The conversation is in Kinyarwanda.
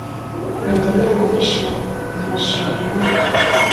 ubu ndaryama nkishima ngashimira Imana